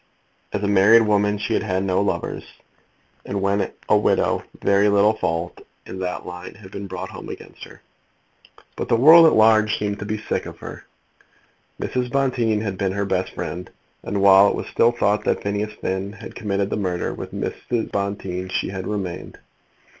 As a married woman she had had no lovers; and, when a widow, very little fault in that line had been brought home against her. But the world at large seemed to be sick of her. Mrs. Bonteen had been her best friend, and, while it was still thought that Phineas Finn had committed the murder, with Mrs. Bonteen she had remained.